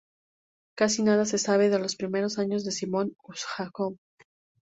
Casi nada se sabe de los primeros años de Simon Ushakov.